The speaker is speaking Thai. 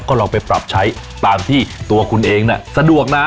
ก็ลองไปปรับใช้ตามที่ตัวคุณเองน่ะสะดวกนะ